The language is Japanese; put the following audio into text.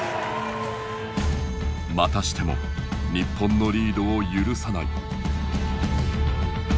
またしても日本のリードを許さない。